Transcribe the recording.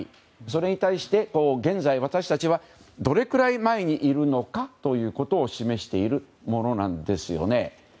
それに対して現在、私たちはどれぐらい前にいるのかを示しているものなんですよね。